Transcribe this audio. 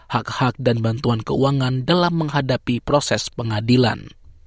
hak hak dan bantuan keuangan dalam menghadapi proses pengadilan